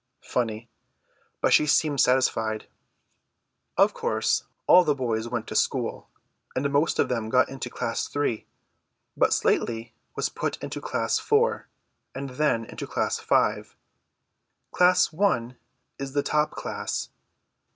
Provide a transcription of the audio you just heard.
Funny. But she seemed satisfied. Of course all the boys went to school; and most of them got into Class III, but Slightly was put first into Class IV and then into Class V. Class I is the top class.